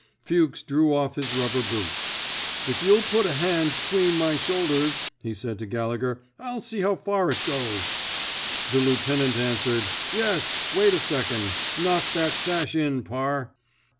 Fuchs drew off his rubber boots. If you'll put a hand 'tween my shoulders," he said to Gallegher, I'll see how far it goes." The lieutenant answered: Yes. Wait a second. Knock that sash in. Parr."